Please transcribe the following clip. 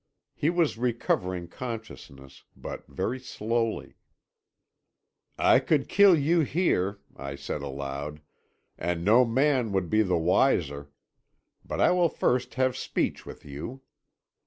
He was recovering consciousness, but very slowly. 'I could kill you here,' I said aloud, 'and no man would be the wiser. But I will first have speech with you.'